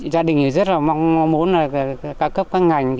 gia đình rất là mong muốn là cao cấp các ngành